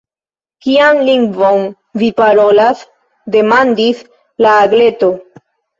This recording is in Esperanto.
“Kian lingvon vi parolas?” demandis la Agleto.